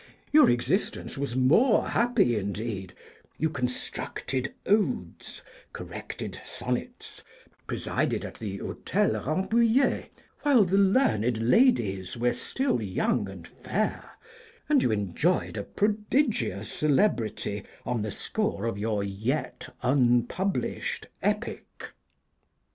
Your existence was more happy indeed; you constructed odes, corrected sonnets, presided at the Ho'tel Rambouillet, while the learned ladies were still young and fair, and you enjoyed a prodigious celebrity on the score of your yet unpublished Epic.